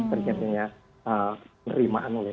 terjadinya penerimaan oleh